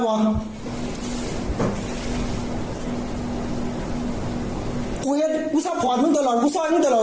ตัวเองกูซัพพอร์ตมึงตลอดกูซ่อนมึงตลอด